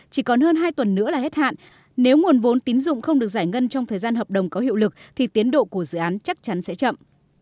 chỉ còn hơn hai tuần nữa là hết hạn nếu nguồn vốn tín dụng không được giải ngân trong thời gian hợp đồng có hiệu lực thì tiến độ của dự án chắc chắn sẽ chậm